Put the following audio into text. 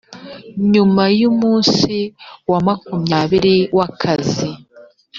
nyuma y umunsi wa makumyabiri w akazi